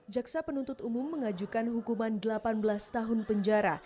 jaksa penuntut umum mengajukan hukuman delapan belas tahun penjara